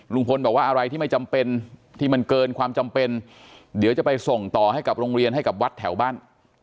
ลุงพลบอกว่าอะไรที่ไม่จำเป็นที่มันเกินความจำเป็นเดี๋ยวจะไปส่งต่อให้กับโรงเรียนให้กับวัดแถวบ้าน